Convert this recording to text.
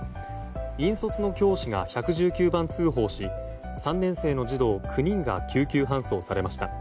引率の教師が１１９番通報し３年生の児童９人が救急搬送されました。